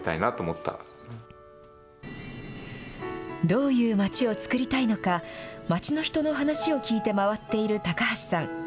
どういう町を作りたいのか、町の人の話を聞いて回っている高橋さん。